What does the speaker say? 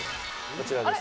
こちらです。